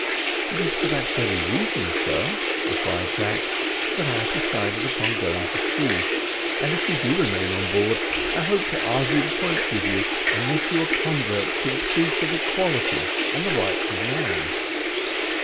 "It is for that very reason, sir," replied Jack, "that I have decided upon going to sea: and if you do remain on board, I hope to argue the point with you, and make you a convert to the truth of equality and the rights of man."